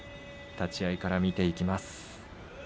立ち合いから見ていきます。